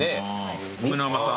米の甘さ。